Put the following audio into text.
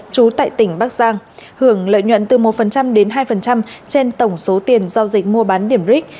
trú tại tỉnh bắc giang hưởng lợi nhuận từ một đến hai trên tổng số tiền giao dịch mua bán điểm ric